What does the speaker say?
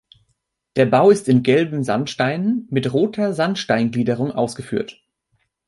Der Bau ist in gelben Sandsteinen mit roter Sandsteingliederung ausgeführt.